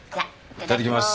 いただきます。